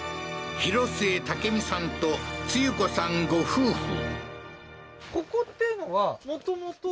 廣末武美さんとツユ子さんご夫婦